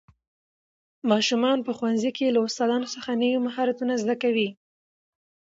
ماشومان په ښوونځي کې له استادانو څخه نوي مهارتونه زده کوي